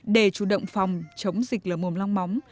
để chủ động phòng chống dịch lở mồm long móng